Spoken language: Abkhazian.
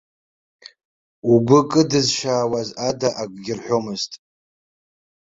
Угәы кыдызшьаауаз ада акгьы рҳәомызт.